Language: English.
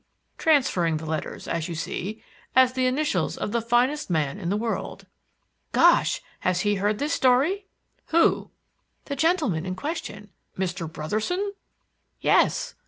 (transferring the letters, as you see) are the initials of the finest man in the world.'" "Gosh! has he heard this story?" "Who?" "The gentleman in question." "Mr. Brotherson?" "Yes."